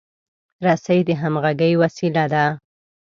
رسۍ د همغږۍ وسیله ده.